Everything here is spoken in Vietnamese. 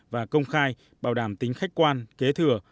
và công khai bảo đảm tính khách quan kế thừa